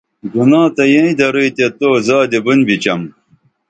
گناہ تہ ییں دروئی تے تو زادی بُن بِچم